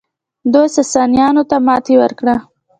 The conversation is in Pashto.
دوی ساسانیانو ته ماتې ورکړه